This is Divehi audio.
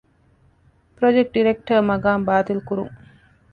ޕްރޮޖެކްޓް ޑިރެކްޓަރ މަޤާމް ބާތިލްކުރުން